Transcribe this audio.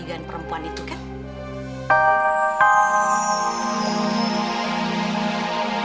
ilangan dua orang menjengkel nyatanya